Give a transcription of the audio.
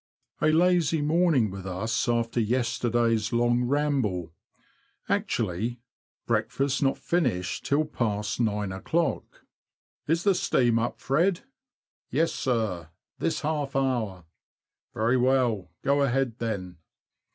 LAZY morning with us after yesterday's long ramble ; actually, breakfast not finished till past '• Is the steam up, Fred ?"" Yes, sir —this half hour." "Very well— go ahead then!"